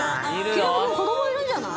桐山君子供いるんじゃない？